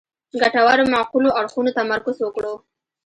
ګټورو معقولو اړخونو تمرکز وکړو.